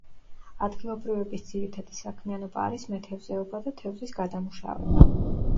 ადგილობრივების ძირითადი საქმიანობა არის მეთევზეობა და თევზის გადამუშავება.